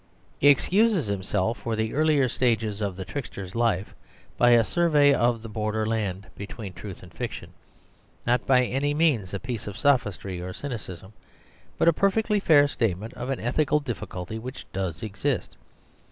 He excuses himself for the earlier stages of the trickster's life by a survey of the border land between truth and fiction, not by any means a piece of sophistry or cynicism, but a perfectly fair statement of an ethical difficulty which does exist.